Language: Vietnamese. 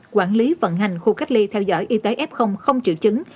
quản lý vận hành khu cách ly theo dõi y tế f không triệu chứng